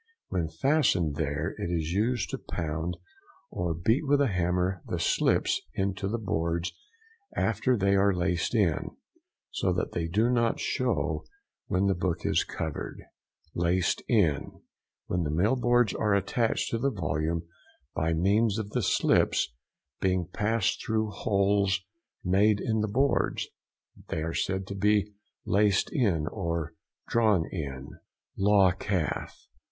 When fastened there it is used to pound or beat with a hammer the slips into the boards after they are laced in, so that they do not show when the book is covered. LACED IN.—When the mill boards are attached to the volume by means of the slips being passed through holes |177| made in the boards, they are said to be laced in or drawn in. LAW CALF.